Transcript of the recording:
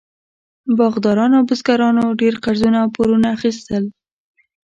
باغداران او بزګرانو ډېر قرضونه او پورونه اخیستل.